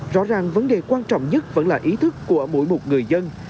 rõ ràng vấn đề quan trọng nhất vẫn là ý thức của mỗi một người dân